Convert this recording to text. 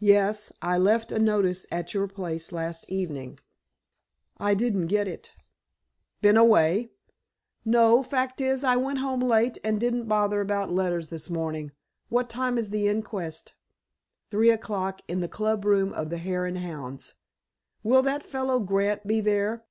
"Yes. I left a notice at your place last evening." "I didn't get it." "Been away?" "No. Fact is, I went home late, and didn't bother about letters this morning. What time is the inquest?" "Three o'clock, in the club room of the Hare and Hounds." "Will that fellow, Grant, be there?"